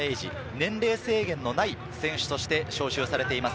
年齢制限のない選手として招集されています。